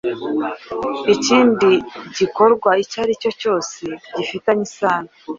ikindi gikorwa icyo aricyo cyose gifitanye isano